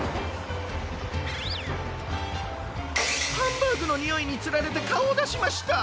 ハンバーグのにおいにつられてかおをだしました！